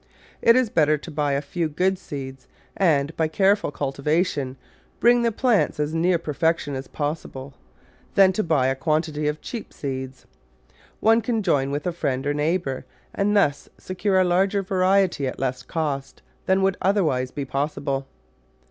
It is better to buy a few good seeds, and by care ful cultivation bring the plants as near perfection as possible, than to buy a quantity of cheap seeds. One can join with a friend or neighbour and thus secure a larger variety at less cost than would otherwise be possible.